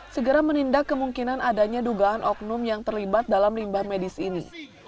segera menindak kemungkinan adanya dugaan oknum yang terlibat dalam limbah medis ini